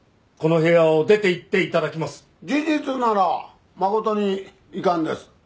事実なら誠に遺憾です。